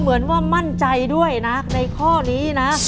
เหมือนว่ามั่นใจด้วยนะในข้อนี้นะ